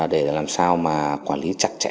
để làm sao mà quản lý chặt chẽ